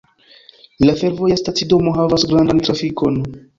La fervoja stacidomo havas grandan trafikon.